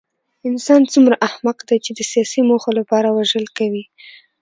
انسان څومره احمق دی چې د سیاسي موخو لپاره وژل کوي